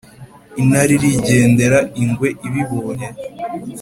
intare irigendera. ingwe ibibonye